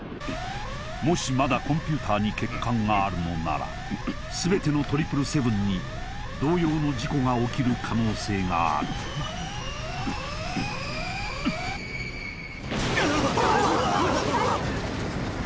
もしまだコンピューターに欠陥があるのなら全ての７７７に同様の事故が起きる可能性があるうわっ！